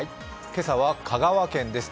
今朝は香川県です。